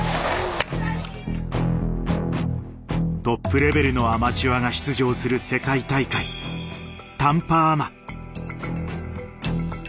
トップレベルのアマチュアが出場する世界大会タンパアマ。